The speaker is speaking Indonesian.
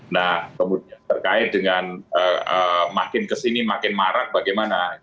nah kemudian terkait dengan makin kesini makin marak bagaimana